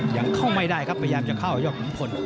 ยังเข้าไม่ได้ครับพยายามจะเข้ายอดขุนพล